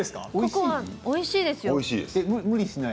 おいしいですよ。